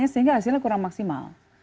sehingga hasilnya kurang maksimal